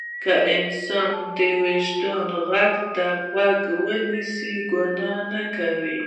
که انسان د وجدان غږ ته غوږ ونیسي ګناه نه کوي.